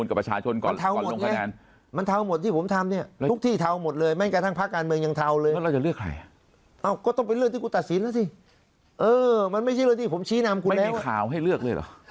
ขาวให้เลือกเลยเหรอ